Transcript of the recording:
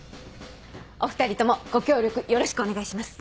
お２人ともご協力よろしくお願いします。